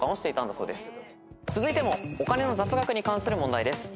続いてもお金の雑学に関する問題です。